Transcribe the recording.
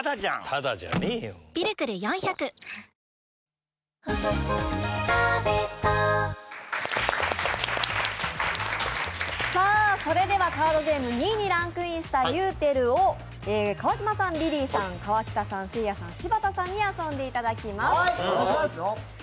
ヘンダーソンは大苦戦でしたがそれではカードゲーム２位にランクインした「ユーテル」を川島さん、リリーさん、川北さん、せいやさん、柴田さんに遊んでいただきます。